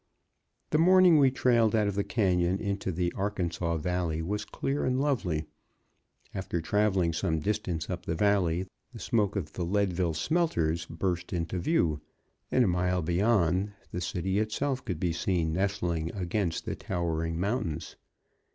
The morning we trailed out of the canyon into the Arkansas Valley was clear and lovely. After traveling some distance up the valley, the smoke of the Leadville smelters burst into view, and a mile beyond the city itself could be seen nestling against the towering mountains.